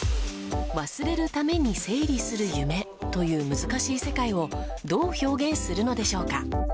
忘れるために整理する夢という難しい世界をどう表現するのでしょうか。